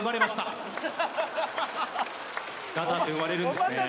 ガターって生まれるんですね。